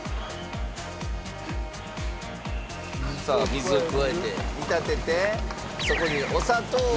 さあ水を加えて煮立ててそこにお砂糖を。